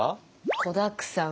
子だくさん。